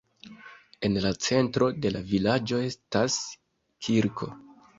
En la centro de la vilaĝo estas kirko.